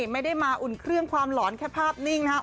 ไม่ได้มาอุ่นเครื่องความหลอนแค่ภาพนิ่งนะครับ